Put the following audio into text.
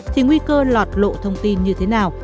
thì nguy cơ lọt lộ thông tin như thế nào